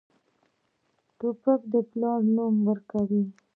توپک د پلار نوم ورکوي.